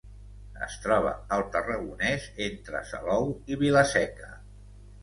Es troba al Tarragonès, entre Salou i Vila-seca.